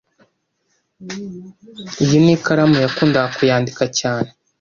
Iyi ni ikaramu yakundaga kuyandika cyane